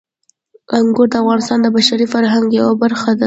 انګور د افغانستان د بشري فرهنګ یوه برخه ده.